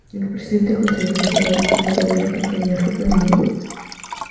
El presidente, consejero delegado y fundador de la compañía es Rupert Murdoch.